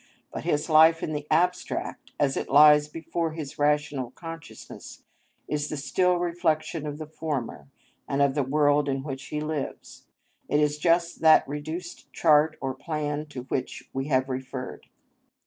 But his life in the abstract, as it lies before his rational consciousness, is the still reflection of the former, and of the world in which he lives; it is just that reduced chart or plan to which we have referred.